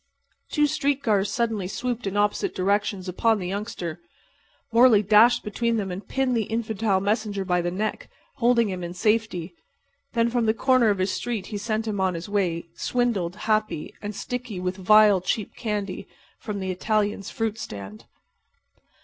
Two street cars suddenly swooped in opposite directions upon the youngster. Morley dashed between them and pinned the infantile messenger by the neck, holding him in safety. Then from the corner of his street he sent him on his way, swindled, happy, and sticky with vile, cheap candy from the Italian's fruit stand.